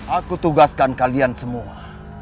aku tugaskan kalian semua